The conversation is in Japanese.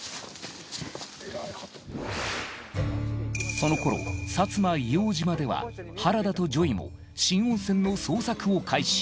その頃薩摩硫黄島では原田とＪＯＹも新温泉の捜索を開始。